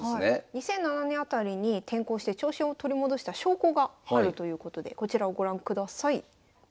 ２００７年辺りに転向して調子を取り戻した証拠があるということでこちらをご覧ください。